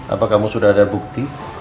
apa kamu sudah ada bukti